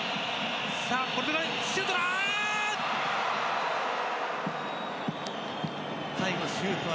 さあここでシュートだ。